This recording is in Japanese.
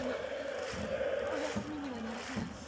お寝みにはなられなくて。